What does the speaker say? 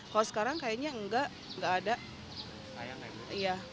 kalau sekarang kayaknya enggak enggak ada